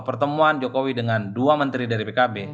pertemuan jokowi dengan dua menteri dari pkb